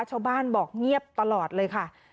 ชาวบ้านบอกเงียบตลอดเลยค่ะ